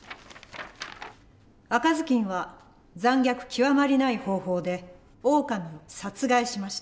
赤ずきんは残虐極まりない方法でオオカミを殺害しました。